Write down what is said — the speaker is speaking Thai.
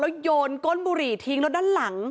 โยนก้นบุหรี่ทิ้งแล้วด้านหลัง